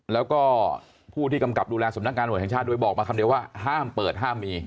แล้วก็ผู้ที่กำกับดูแลสำนักงานตำรวจแห่งชาติโดยบอกมาคำเดียวว่าห้ามเปิดห้ามมี